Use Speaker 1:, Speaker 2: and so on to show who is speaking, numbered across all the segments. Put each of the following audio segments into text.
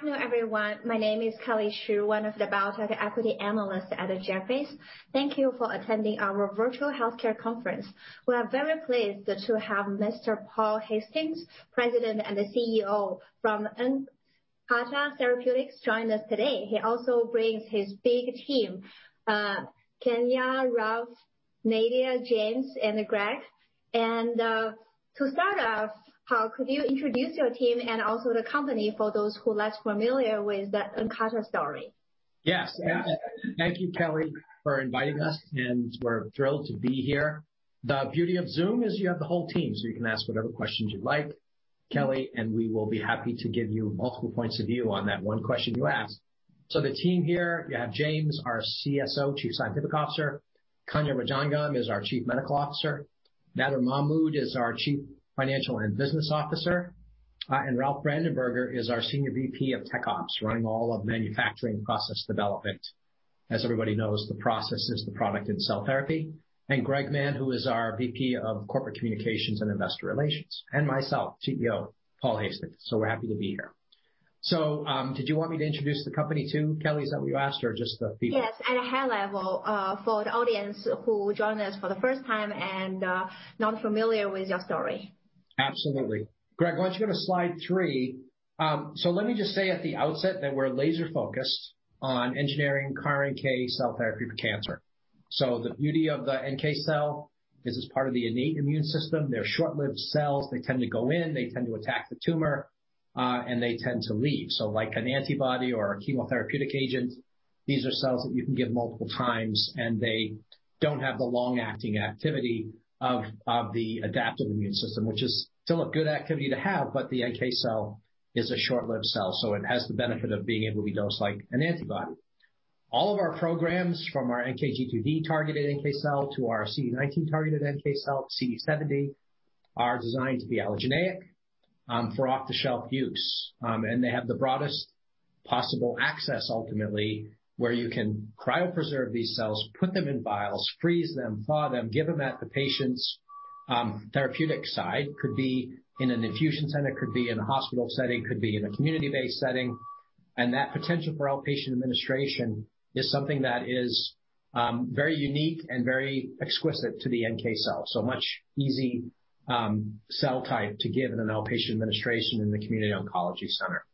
Speaker 1: Good afternoon, everyone. My name is Kelly Shi, one of the biotech equity analysts at Jefferies. Thank you for attending our virtual healthcare conference. We are very pleased to have Mr. Paul Hastings, President and CEO from Nkarta Therapeutics join us today. He also brings his big team, Kanya, Ralph, Nadir, James, and Greg. To start off, Paul, could you introduce your team and also the company for those who are less familiar with the Nkarta story?
Speaker 2: Yes. Thank you, Kelly, for inviting us, and we're thrilled to be here. The beauty of Zoom is you have the whole team, so you can ask whatever questions you'd like, Kelly, and we will be happy to give you multiple points of view on that one question you ask. The team here, you have James, our CSO, Chief Scientific Officer, Kanya Rajangam is our Chief Medical Officer, Nadir Mahmood is our Chief Financial and Business Officer, and Ralph Brandenberger is our Senior VP of Tech Ops, running all of manufacturing process development. As everybody knows, the process is the product in cell therapy. Greg Mann, who is our VP of Corporate Communications and Investor Relations. Myself, CEO, Paul Hastings. Happy to be here. Did you want me to introduce the company too, Kelly, is that what you asked, or just the team?
Speaker 1: Yes, at a high level, for the audience who join us for the first time and are not familiar with your story.
Speaker 2: Absolutely. Greg, why don't you go to slide three? Let me just say at the outset that we're laser-focused on engineering CAR-NK cell therapy for cancer. The beauty of the NK cell is it's part of the innate immune system. They're short-lived cells. They tend to go in, they tend to attack the tumor, and they tend to leave. Like an antibody or a chemotherapeutic agent, these are cells that you can give multiple times, and they don't have the long-acting activity of the adaptive immune system, which is still a good activity to have, but the NK cell is a short-lived cell, so it has the benefit of being able to dose like an antibody. All of our programs, from our NKG2D-targeted NK cell to our CD19-targeted NK cell, CD70, are designed to be allogeneic, for off-the-shelf use. They have the broadest possible access ultimately, where you can cryopreserve these cells, put them in vials, freeze them, thaw them, give them at the patient's therapeutic site. Could be in an infusion center, could be in a hospital setting, could be in a community-based setting. That potential for outpatient administration is something that is very unique and very exquisite to the NK cell. Much easy cell type to give in an outpatient administration in the community oncology center.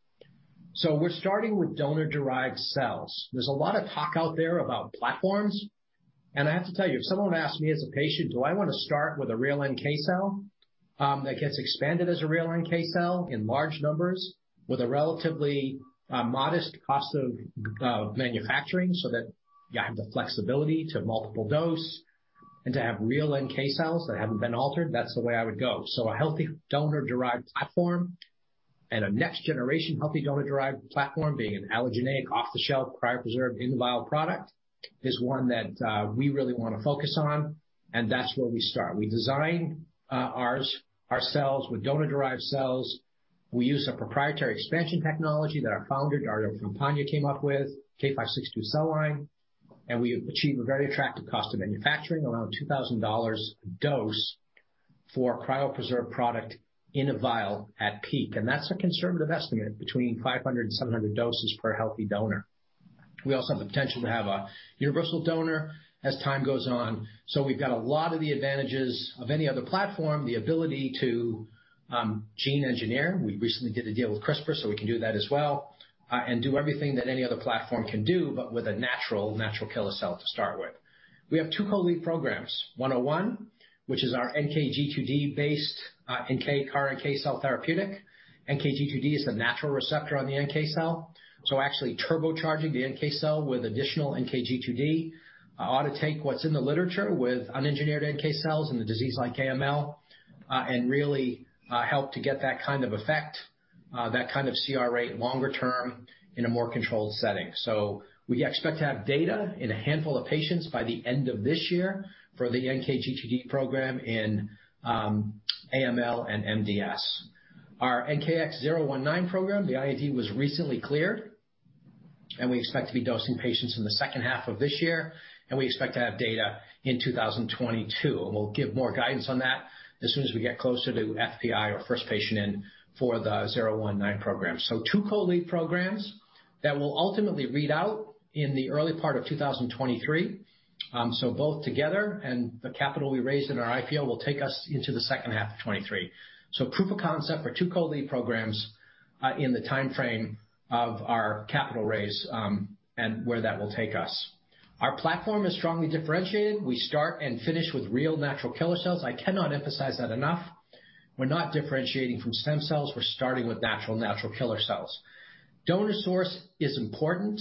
Speaker 2: We're starting with donor-derived cells. There's a lot of talk out there about platforms. I have to tell you, if someone asked me as a patient, do I want to start with a real NK cell that gets expanded as a real NK cell in large numbers with a relatively modest cost of manufacturing so that you have the flexibility to multiple dose and to have real NK cells that haven't been altered, that's the way I would go. A healthy donor-derived platform and a next-generation healthy donor-derived platform, being an allogeneic off-the-shelf cryopreserved in-vial product, is one that we really want to focus on, and that's where we start. We design our cells with donor-derived cells. We use a proprietary expansion technology that our founder, Dario Campana, came up with, K562 cell line. We achieve a very attractive cost of manufacturing, around $2,000 a dose for a cryopreserved product in a vial at peak. That's a conservative estimate, between 500 and 700 doses per healthy donor. We also have the potential to have a universal donor as time goes on. We've got a lot of the advantages of any other platform, the ability to gene engineer. We recently did a deal with CRISPR, so we can do that as well, and do everything that any other platform can do, but with a natural killer cell to start with. We have two co-lead programs, 101, which is our NKG2D-based CAR-NK cell therapeutic. NKG2D is a natural receptor on the NK cell, so actually turbocharging the NK cell with additional NKG2D ought to take what's in the literature with unengineered NK cells in a disease like AML, and really help to get that kind of effect, that kind of CR rate longer term in a more controlled setting. We expect to have data in a handful of patients by the end of this year for the NKG2D program in AML and MDS. Our NKX019 program, the IND was recently cleared, and we expect to be dosing patients in the second half of this year, and we expect to have data in 2022. We'll give more guidance on that as soon as we get closer to FPI or first patient in for the 019 program. Two co-lead programs that will ultimately read out in the early part of 2023. Both together and the capital we raised in our IPO will take us into the second half of 2023. Proof of concept for two co-lead programs in the timeframe of our capital raise, and where that will take us. Our platform is strongly differentiated. We start and finish with real natural killer cells. I cannot emphasize that enough. We're not differentiating from stem cells. We're starting with natural killer cells. Donor source is important,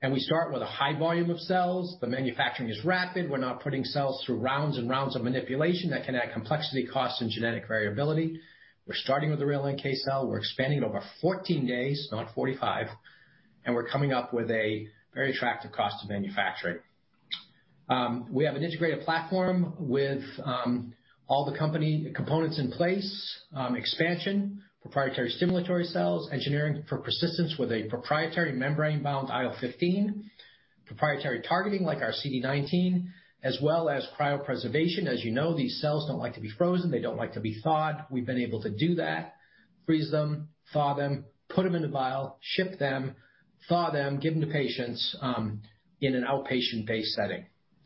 Speaker 2: and we start with a high volume of cells. The manufacturing is rapid. We're not putting cells through rounds and rounds of manipulation that can add complexity, cost, and genetic variability. We're starting with a real NK cell. We're expanding over 14 days, not 45, and we're coming up with a very attractive cost to manufacture. We have an integrated platform with all the components in place, expansion, proprietary stimulatory cells, engineering for persistence with a proprietary membrane-bound IL-15, Proprietary targeting like our CD19, as well as cryopreservation. As you know, these cells don't like to be frozen. They don't like to be thawed. We've been able to do that, freeze them, thaw them, put them in a vial, ship them, thaw them, give them to patients in an outpatient-based setting.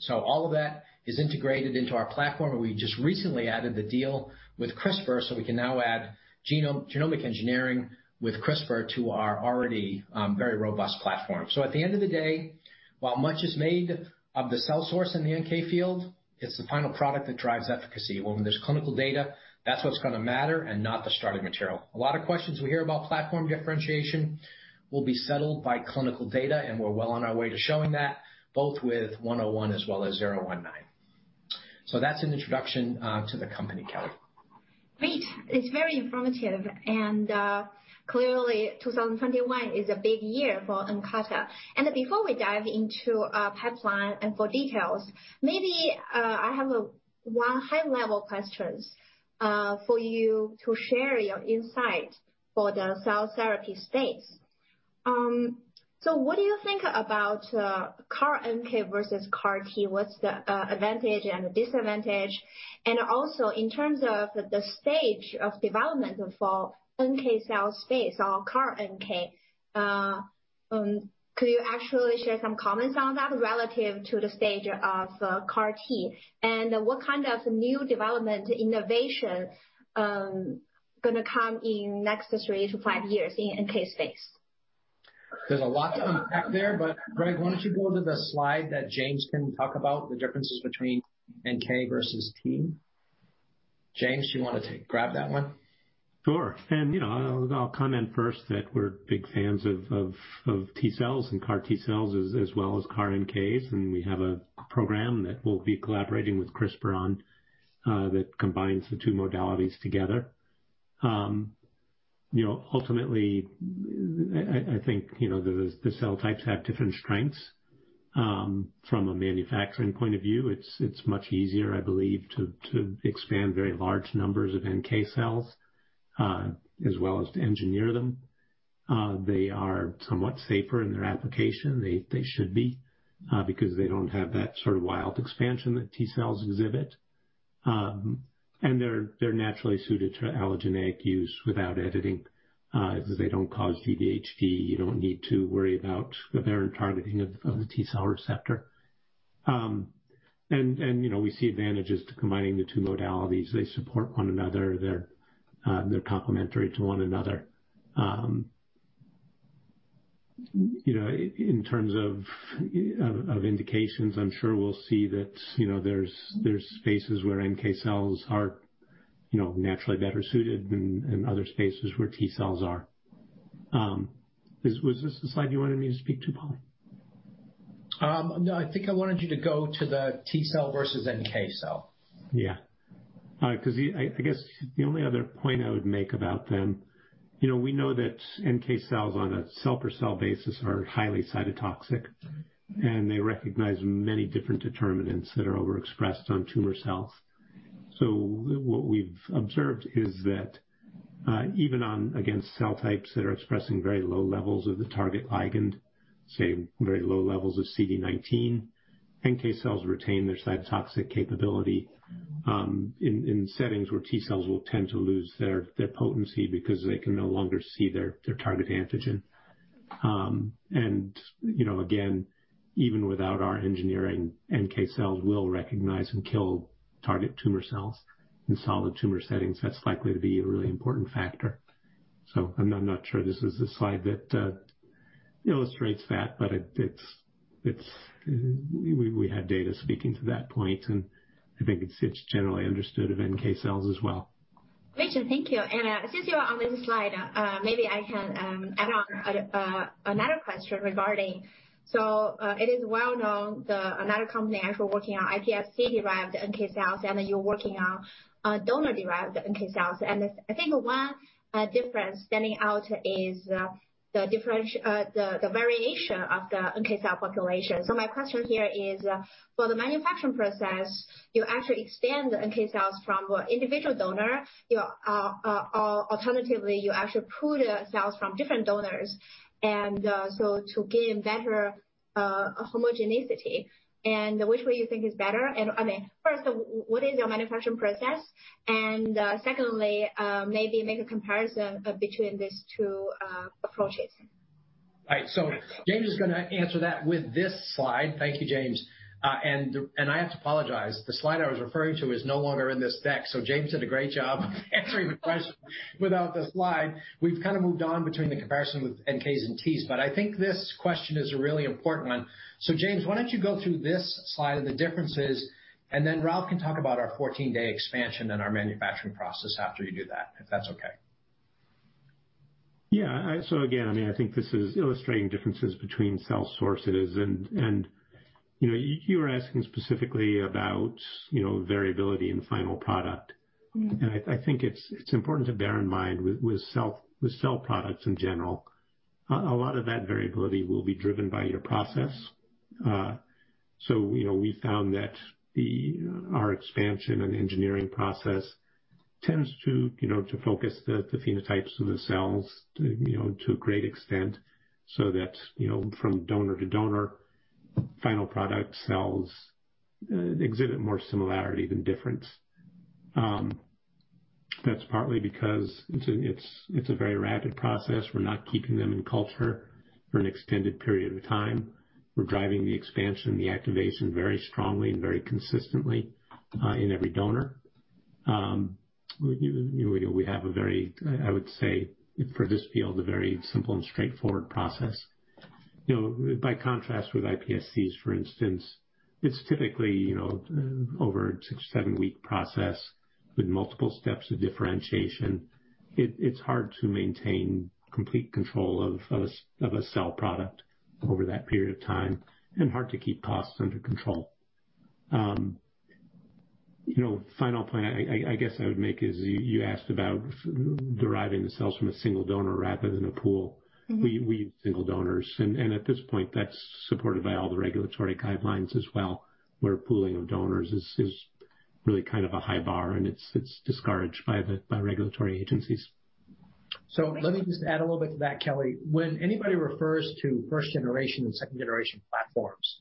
Speaker 2: All of that is integrated into our platform, and we just recently added the deal with CRISPR, so we can now add genomic engineering with CRISPR to our already very robust platform. At the end of the day, while much is made of the cell source in the NK field, it's the final product that drives efficacy. When there's clinical data, that's what's going to matter and not the starting material. A lot of questions we hear about platform differentiation will be settled by clinical data, and we're well on our way to showing that, both with 101 as well as 019. That's an introduction to the company, Kelly.
Speaker 1: Great. It's very informative, clearly 2021 is a big year for Nkarta. Before we dive into our pipeline and for details, maybe I have one high-level question for you to share your insight for the cell therapy space. What do you think about CAR NK versus CAR T? What's the advantage and the disadvantage? Also, in terms of the stage of development for NK cell space or CAR NK, could you actually share some comments on that relative to the stage of CAR T? What kind of new development innovation going to come in next three to five years in NK space?
Speaker 2: There's a lot to unpack there, but Greg, why don't you go to the slide that James can talk about the differences between NK versus T. James, do you want to grab that one?
Speaker 3: Sure. I'll comment first that we're big fans of T cells and CAR T cells, as well as CAR NK, and we have a program that we'll be collaborating with CRISPR on that combines the two modalities together. Ultimately, I think the cell types have different strengths. From a manufacturing point of view, it's much easier, I believe, to expand very large numbers of NK cells, as well as to engineer them. They are somewhat safer in their application. They should be, because they don't have that sort of wild expansion that T cells exhibit. They're naturally suited to allogeneic use without editing, because they don't cause GvHD. You don't need to worry about the variant targeting of the T cell receptor. We see advantages to combining the two modalities. They support one another. They're complementary to one another. In terms of indications, I'm sure we'll see that there's spaces where NK cells are naturally better suited than in other spaces where T cells are. Was this the slide you wanted me to speak to, Paul?
Speaker 2: No, I think I wanted you to go to the T cell versus NK cell.
Speaker 3: Yeah. I guess the only other point I would make about them, we know that NK cells on a cell-per-cell basis are highly cytotoxic, and they recognize many different determinants that are overexpressed on tumor cells. What we've observed is that even against cell types that are expressing very low levels of the target ligand, say very low levels of CD19, NK cells retain their cytotoxic capability in settings where T cells will tend to lose their potency because they can no longer see their target antigen. Again, even without our engineering, NK cells will recognize and kill target tumor cells in solid tumor settings. That's likely to be a really important factor. I'm not sure this is a slide that illustrates that, but we have data speaking to that point, and I think it's generally understood of NK cells as well.
Speaker 1: Great and thank you. Since you are on this slide, maybe I can add on another question regarding another company actually working on iPSC-derived NK cells, then you're working on donor-derived NK cells. I think one difference standing out is the variation of the NK cell population. My question here is, for the manufacturing process, you actually expand the NK cells from individual donor, alternatively, you actually pool the cells from different donors, to gain better homogeneity. Which way you think is better? First, what is your manufacturing process? Secondly, maybe make a comparison between these two approaches.
Speaker 2: Right. James is going to answer that with this slide. Thank you, James. I have to apologize. The slide I was referring to is no longer in this deck, so James did a great job answering the question without the slide. We've kind of moved on between the comparison with NKs and Ts, but I think this question is a really important one. James, why don't you go through this slide of the differences, and then Ralph can talk about our 14-day expansion and our manufacturing process after you do that, if that's okay.
Speaker 3: Yeah. Again, I think this is illustrating differences between cell sources, and you were asking specifically about variability in the final product. I think it's important to bear in mind with cell products in general, a lot of that variability will be driven by your process. We found that our expansion and engineering process tends to focus the phenotypes of the cells to a great extent, so that from donor to donor, final product cells exhibit more similarity than difference. That's partly because it's a very rapid process. We're not keeping them in culture for an extended period of time. We're driving the expansion and the activation very strongly and very consistently in every donor. We have a very, I would say, for this field, a very simple and straightforward process. By contrast with iPSCs, for instance, it's typically over a six to seven-week process with multiple steps of differentiation. It's hard to maintain complete control of a cell product over that period of time and hard to keep costs under control. Final point I guess I would make is you asked about deriving the cells from a single donor rather than a pool. We use single donors, and at this point, that's supported by all the regulatory guidelines as well, where pooling of donors is really kind of a high bar, and it's discouraged by regulatory agencies.
Speaker 2: Let me just add a little bit to that, Kelly. When anybody refers to first generation and second generation platforms,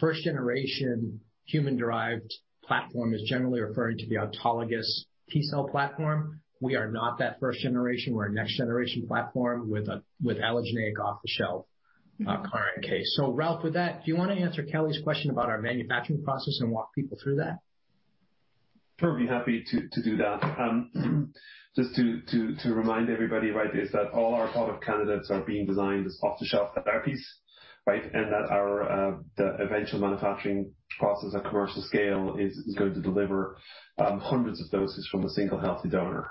Speaker 2: first generation human-derived platform is generally referring to the autologous T cell platform. We are not that first generation. We're a next generation platform with allogeneic off-the-shelf CAR NK. Ralph, with that, do you want to answer Kelly's question about our manufacturing process and walk people through that?
Speaker 4: Totally happy to do that. Just to remind everybody is that all our product candidates are being designed as off-the-shelf therapies, and that our eventual manufacturing process at commercial scale is going to deliver hundreds of doses from a single healthy donor.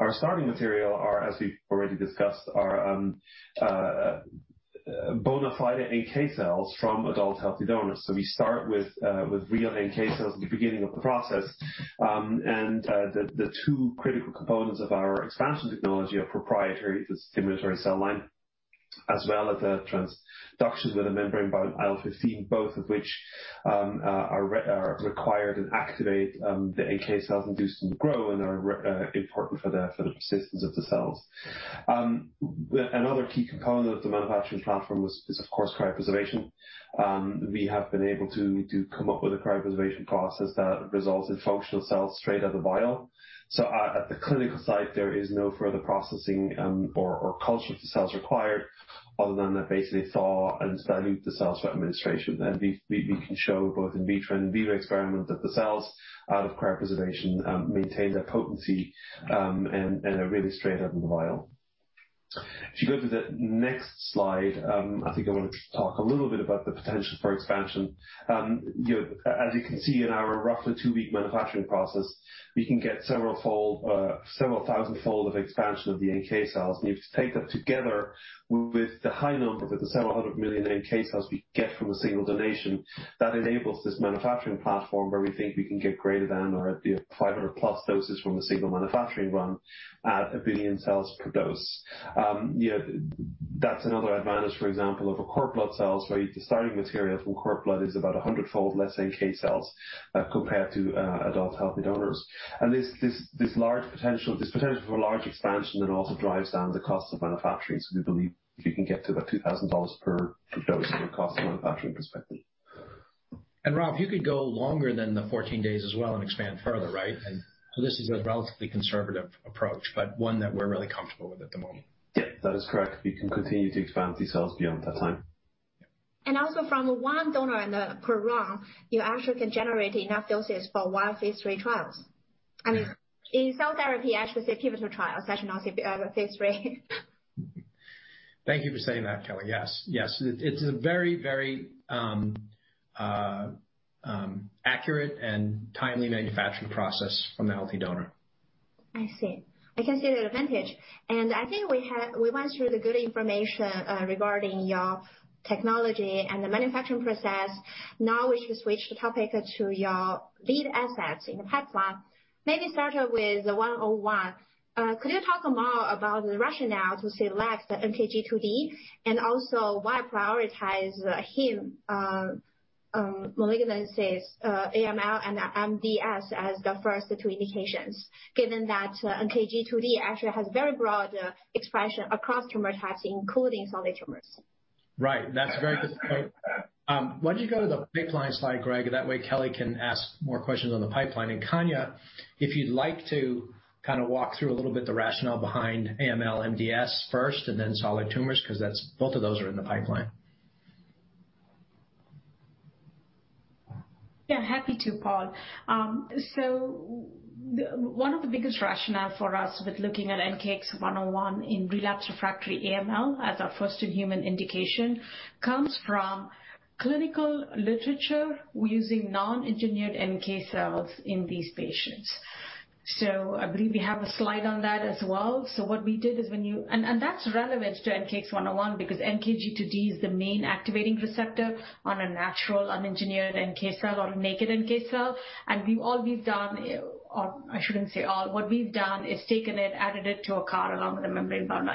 Speaker 4: Our starting material, as we've already discussed, are bona fide NK cells from adult healthy donors. We start with real NK cells at the beginning of the process, and the two critical components of our expansion technology are proprietary. The stimulatory cell line, as well as the transductions with the membrane-bound IL-15, both of which are required and activate the NK cells, induce them to grow, and are important for the assistance of the cells. Another key component of the manufacturing platform is, of course, cryopreservation. We have been able to come up with a cryopreservation process that results in functional cells straight out of the vial. At the clinical site, there is no further processing or culture of the cells required other than to basically thaw and dilute the cells for administration. We can show both in vitro and vivo experiments that the cells out of cryopreservation maintain their potency and are really straight out of the vial. If you go to the next slide, I think I want to talk a little bit about the potential for expansion. As you can see in our roughly two-week manufacturing process, we can get several thousand-fold of expansion of the NK cells. If you take that together with the high number of the 700 million NK cells we get from a single donation, that enables this manufacturing platform where we think we can get greater than or 500+ doses from a single manufacturing run at 1 billion cells per dose. That's another advantage, for example, of cord blood cells where the starting material from cord blood is about 100-fold less NK cells compared to adult healthy donors. This potential for large expansion then also drives down the cost of manufacturing. We believe we can get to that $2,000 per dose from a cost manufacturing perspective.
Speaker 2: Ralph, you could go longer than the 14 days as well and expand further, right? This is a relatively conservative approach, but one that we're really comfortable with at the moment.
Speaker 4: Yeah, that is correct. We can continue to expand these cells beyond that time.
Speaker 1: Also from one donor, per Ralph, you actually can generate enough doses for one phase III trial. He felt better if he actually said two more trials. I can also do phase III.
Speaker 2: Thank you for saying that, Kelly. Yes. It's a very accurate and timely manufacturing process from a healthy donor.
Speaker 1: I see. I can see the advantage. I think we went through the good information regarding your technology and the manufacturing process. Now we can switch the topic to your lead asset NKX101. Maybe start with the NKX101. Could you talk more about the rationale to select the NKG2D and also why prioritize the human malignancies AML and MDS as the first two indications, given that NKG2D actually has very broad expression across hematology, including solid tumors?
Speaker 2: Right. That's a great point. Why don't you go to the pipeline slide, Greg? That way Kelly can ask more questions on the pipeline. Kanya, if you'd like to walk through a little bit the rationale behind AML, MDS first, and then solid tumors, because both of those are in the pipeline.
Speaker 5: Yeah, happy to, Paul. One of the biggest rationale for us with looking at NKX101 in relapsed/refractory AML as our first human indication comes from clinical literature using non-engineered NK cells in these patients. I believe we have a slide on that as well. What we did is that's relevant to NKX101 because NKG2D is the main activating receptor on a natural unengineered NK cell or naked NK cell. We've always done, I shouldn't say all, what we've done is taken it, added it to a CAR and a membrane-bound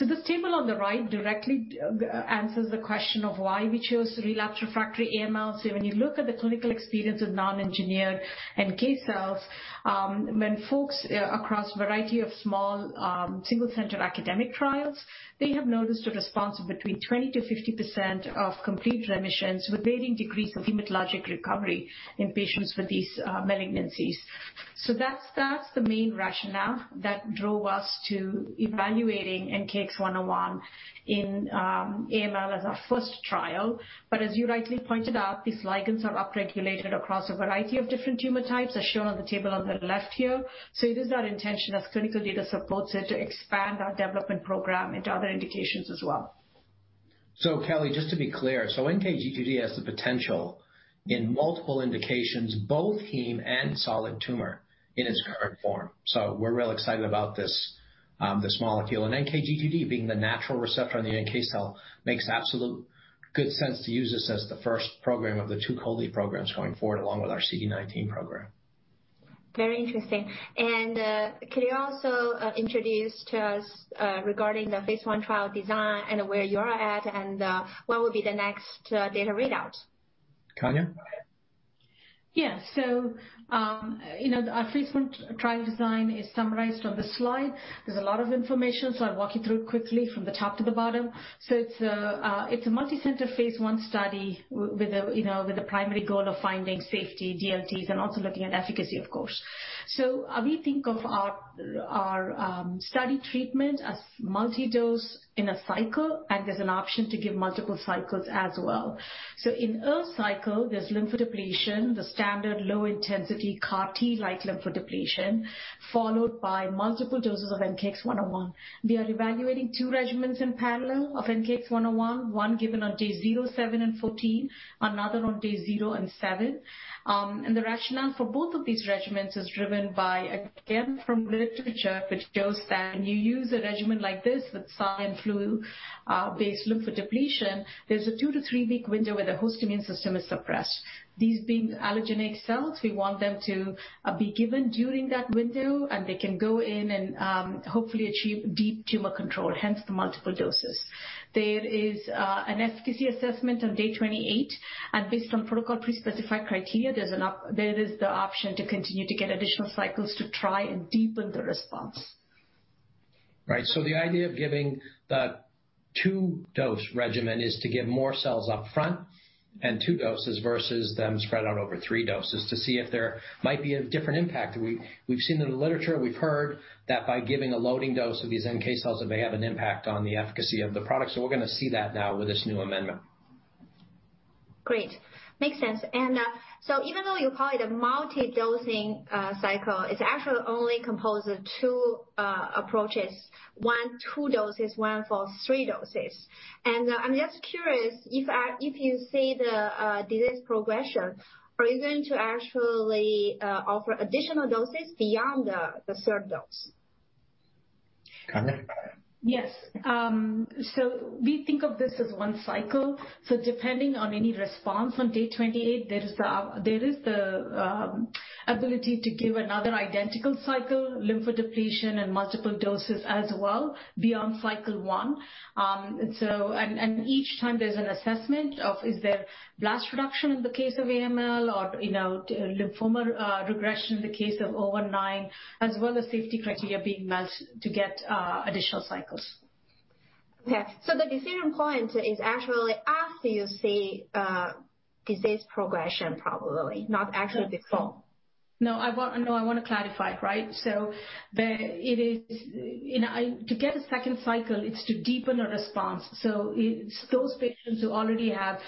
Speaker 5: IL-15. This table on the right directly answers the question of why we chose relapsed/refractory AML. When you look at the clinical experience with non-engineered NK cells, when folks across variety of small, single center academic trials, they have noticed a response of between 20%-50% of complete remissions with varying degrees of hematologic recovery in patients with these malignancies. That's the main rationale that drove us to evaluating NKX101 in AML as our first trial. As you rightly pointed out, these ligands are upregulated across a variety of different tumor types, as shown on the table on the left here. It is our intention, as clinical data supports it, to expand our development program into other indications as well.
Speaker 2: Kelly, just to be clear, NKG2D has the potential in multiple indications, both heme and solid tumor in its current form. We're real excited about this molecule. NKG2D being the natural receptor on the NK cell makes absolute good sense to use this as the first program of the two co-lead programs going forward, along with our CD19 program.
Speaker 1: Very interesting. Could you also introduce to us, regarding the phase I trial design and where you're at, and what will be the next data readout?
Speaker 2: Kanya?
Speaker 5: Yeah. Our phase I trial design is summarized on the slide. There's a lot of information, so I'll walk you through quickly from the top to the bottom. It's a multicenter phase I study with the primary goal of finding safety DLTs and also looking at efficacy, of course. We think of our study treatment as multi-dose in a cycle, and there's an option to give multiple cycles as well. In a cycle, there's lymphodepletion, the standard low intensity CAR T like lymphodepletion, followed by multiple doses of NKX101. We are evaluating two regimens in parallel of NKX101, one given on day 0, seven, and 14, another on day 0 and seven. The rationale for both of these regimens is driven by, again, from literature, which shows that when you use a regimen like this with cyclophosphamide and fludarabine-based lymphodepletion, there's a two-to-three week window where the host immune system is suppressed. These being allogeneic cells, we want them to be given during that window and they can go in and hopefully achieve deep tumor control, hence the multiple doses. There is an efficacy assessment on day 28, and based on protocol pre-specified criteria, there is the option to continue to get additional cycles to try and deepen the response.
Speaker 2: Right. The idea of giving the two-dose regimen is to give more cells up front and two doses versus them spread out over three doses to see if there might be a different impact. We've seen in the literature, we've heard that by giving a loading dose of these NK cells, it may have an impact on the efficacy of the product. We're going to see that now with this new amendment.
Speaker 1: Great. Makes sense. Even though you call it a multi-dosing cycle, it's actually only composed of two approaches, one, two doses, one for three doses. I'm just curious if you see the disease progression, are you going to actually offer additional doses beyond the third dose?
Speaker 2: Kanya?
Speaker 5: Yes. We think of this as one cycle. Depending on any response on day 28, there is the ability to give another identical cycle, lymphodepletion and multiple doses as well beyond cycle one. Each time there's an assessment of is there blast reduction in the case of AML or lymphoma regression in the case of NKX019, as well as safety criteria being met to get additional cycles.
Speaker 1: Okay. The decision point is actually after you see disease progression, probably, not actually before.
Speaker 5: I want to clarify. Right. To get a second cycle, it's to deepen a response. Those patients who already have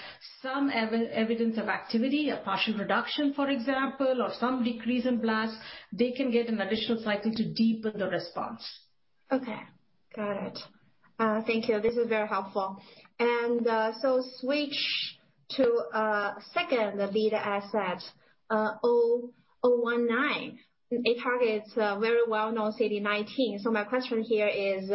Speaker 5: some evidence of activity, a partial reduction, for example, or some decrease in blast, they can get an additional cycle to deepen the response.
Speaker 1: Okay. Got it. Thank you. This is very helpful. Switch to second beta asset NKX019. It targets a very well-known CD19. My question here is,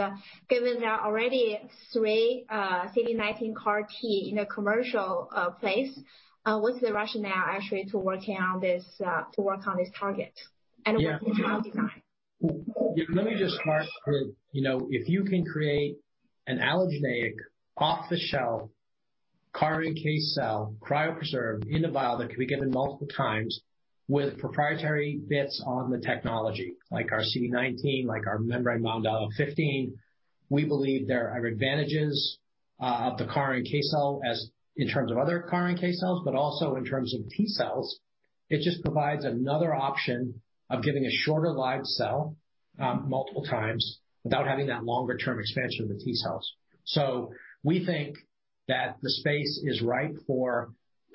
Speaker 1: given there are already three CD19 CAR T in a commercial place, what's the rationale actually to work on this target and what's the trial design?
Speaker 2: Let me just start with if you can create an allogeneic off-the-shelf CAR NK cell, cryopreserved in a vial that can be given multiple times with proprietary bits on the technology, like our CD19, like our membrane-bound IL-15, we believe there are advantages of the CAR NK cell as in terms of other CAR NK cells, but also in terms of T cells. It just provides another option of giving a shorter lived cell multiple times without having that longer term expansion of the T cells. We think that the space is ripe for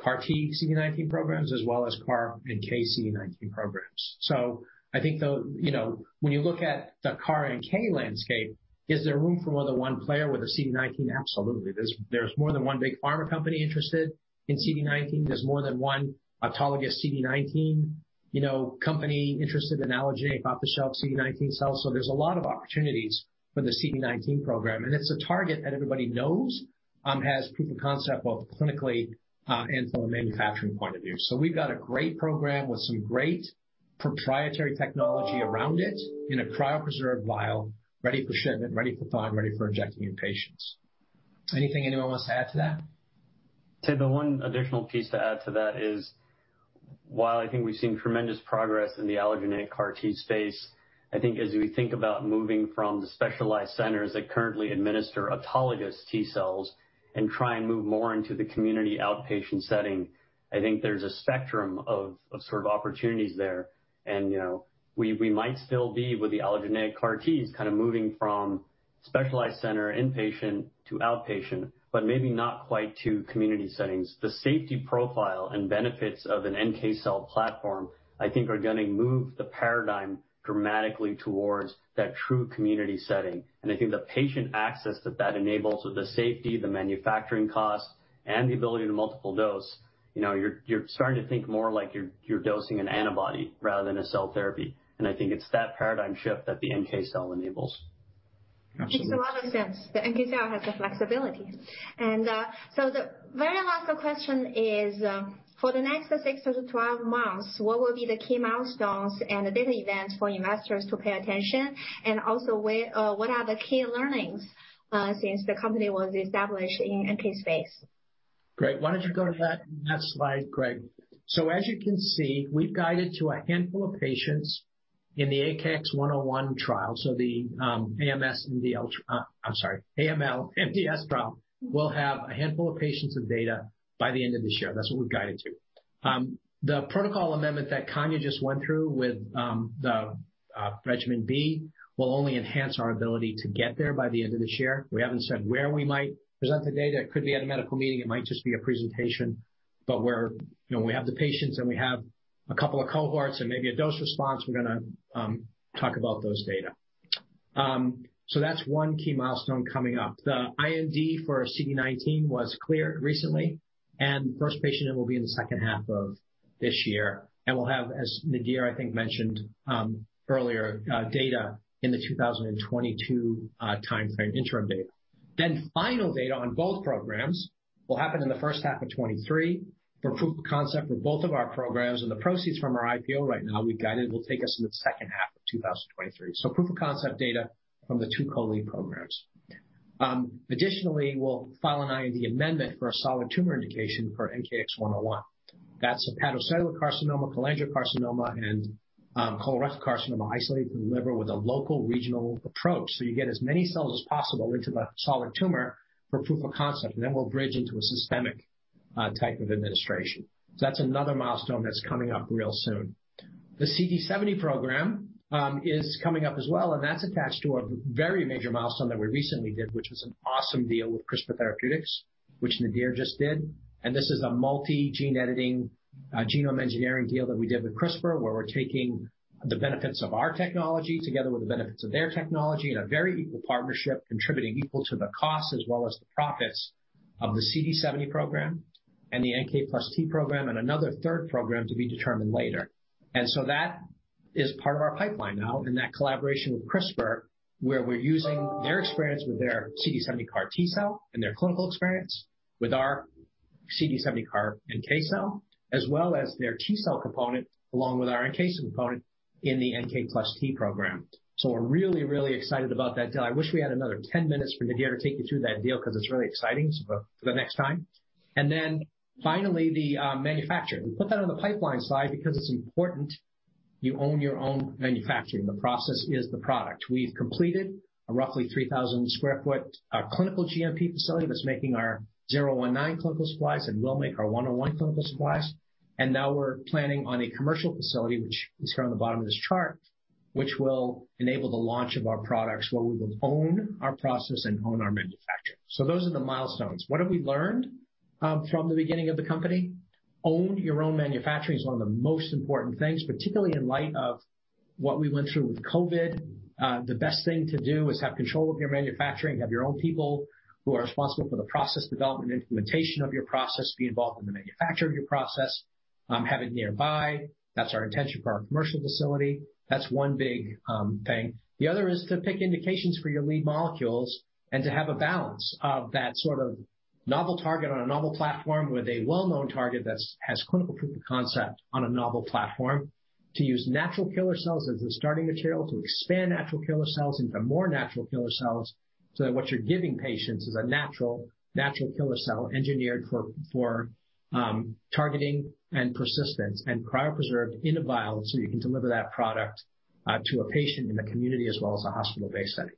Speaker 2: CAR T CD19 programs as well as CAR NK CD19 programs. I think when you look at the CAR NK landscape, is there room for more than one player with a CD19? Absolutely. There's more than one big pharma company interested in CD19. There's more than one autologous CD19 company interested in allogeneic off-the-shelf CD19 cells. There's a lot of opportunities for the CD19 program, and it's a target that everybody knows has proof of concept, both clinically and from a manufacturing point of view. We've got a great program with some great proprietary technology around it in a cryopreserved vial, ready for shipment, ready for thaw, and ready for injecting in patients. Is there anything anyone wants to add to that?
Speaker 6: Kelly Shi, one additional piece to add to that is while I think we've seen tremendous progress in the allogeneic CAR T space, I think as we think about moving from the specialized centers that currently administer autologous T cells and try and move more into the community outpatient setting, I think there's a spectrum of sort of opportunities there. We might still be with the allogeneic CAR Ts kind of moving from specialized center inpatient to outpatient, but maybe not quite to community settings. The safety profile and benefits of an NK cell platform, I think, are going to move the paradigm dramatically towards that true community setting. I think the patient access that enables with the safety, the manufacturing cost, and the ability to multiple dose, you're starting to think more like you're dosing an antibody rather than a cell therapy. I think it's that paradigm shift that the NK cell enables.
Speaker 1: Makes a lot of sense. The NK cell has the flexibility. The very last question is, for the next 6 to 12 months, what will be the key milestones and the big events for investors to pay attention? Also, what are the key learnings since the company was established in NK space?
Speaker 2: Great. Why don't you go to that next slide, Greg? As you can see, we've guided to a handful of patients in the NKX101 trial. The AML/MDS trial. We'll have a handful of patients of data by the end of this year. That's what we've guided to. The protocol amendment that Kanya just went through with the regimen B will only enhance our ability to get there by the end of this year. We haven't said where we might present the data. It could be at a medical meeting, it might just be a presentation. But where we have the patients and we have a couple of cohorts and maybe a dose response, we're going to talk about those data. That's one key milestone coming up. The IND for CD19 was cleared recently, and the first patient will be in the second half of this year. We'll have, as Nadir, I think, mentioned earlier, data in the 2022 timeframe, interim data. Final data on both programs will happen in the first half of 2023 for proof of concept for both of our programs and the proceeds from our IPO right now we've guided will take us to the second half of 2023. Proof of concept data from the two co-lead programs. Additionally, we'll file an IND amendment for a solid tumor indication for NKX101. That's hepatocellular carcinoma, cholangiocarcinoma, and colorectal carcinoma isolated from the liver with a local regional approach. You get as many cells as possible into a solid tumor for proof of concept. We'll bridge into a systemic type of administration. That's another milestone that's coming up real soon. The CD70 program is coming up as well, and that's attached to a very major milestone that we recently did, which was an awesome deal with CRISPR Therapeutics, which Nadir just did. This is a multi-gene editing genome engineering deal that we did with CRISPR, where we're taking the benefits of our technology together with the benefits of their technology in a very equal partnership, contributing equal to the cost as well as the profits of the CD70 program and the NK+T program, and another third program to be determined later. That is part of our pipeline now and that collaboration with CRISPR, where we're using their experience with their CD70 CAR T cell and their clinical experience with our CD70 CAR-NK cell, as well as their T cell component along with our NK component in the NK+T program. We're really excited about that deal. I wish we had another 10 minutes for Nadir to take you through that deal because it's really exciting. For the next time. Finally, the manufacturing. We put that on the pipeline slide because it's important you own your own manufacturing. The process is the product. We've completed a roughly 3,000 square foot clinical GMP facility that's making our NKX019 clinical supplies and will make our NKX101 clinical supplies. Now we're planning on a commercial facility, which is here on the bottom of this chart, which will enable the launch of our products, where we will own our process and own our manufacture. Those are the milestones. What have we learned from the beginning of the company? Own your own manufacturing is one of the most important things, particularly in light of what we went through with COVID. The best thing to do is have control of your manufacturing, have your own people who are responsible for the process development and implementation of your process, be involved in the manufacture of your process, have it nearby. That's our intention for our commercial facility. That's one big thing. The other is to pick indications for your lead molecules and to have a balance of that sort of novel target on a novel platform with a well-known target that has clinical proof of concept on a novel platform. To use natural killer cells as the starting material, to expand natural killer cells into more natural killer cells, so that what you're giving patients is a natural killer cell engineered for targeting and persistence, and cryopreserved in a vial so you can deliver that product to a patient in the community as well as a hospital-based setting.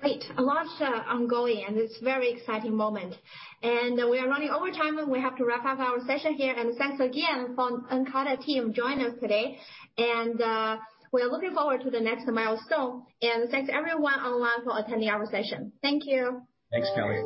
Speaker 1: Great. A lot ongoing, and it's a very exciting moment. We are running over time, and we have to wrap up our session here. Thanks again for Nkarta team joining us today, and we're looking forward to the next milestone. Thanks everyone online for attending our session. Thank you.
Speaker 2: Thanks, Kelly Shi.